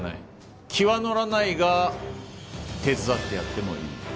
気は乗らないが手伝ってやってもいい。